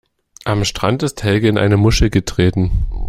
Am Strand ist Helge in eine Muschel getreten.